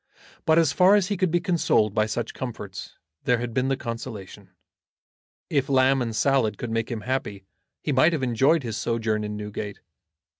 But as far as he could be consoled by such comforts, there had been the consolation. If lamb and salad could make him happy he might have enjoyed his sojourn in Newgate.